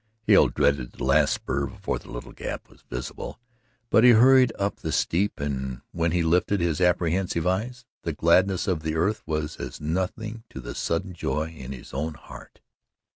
Hale dreaded the last spur before the little Gap was visible, but he hurried up the steep, and when he lifted his apprehensive eyes, the gladness of the earth was as nothing to the sudden joy in his own heart.